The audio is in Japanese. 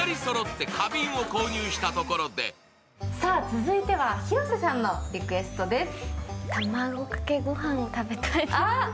続いては広瀬さんのリクエストです。